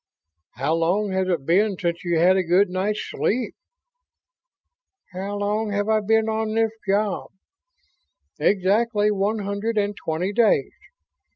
"How long has it been since you had a good night's sleep?" "How long have I been on this job? Exactly one hundred and twenty days.